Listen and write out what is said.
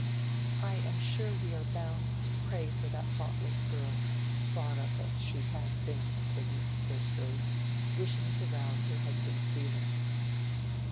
"I am sure we are bound to pray for that thoughtless girl—brought up as she has been," said Mrs. Bulstrode, wishing to rouse her husband's feelings.